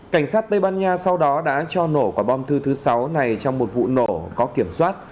cảnh sát tây ban nha sau đó đã cho nổ quả bom thư thứ sáu này trong một vụ nổ có kiểm soát